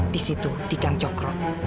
disitu di gang jokro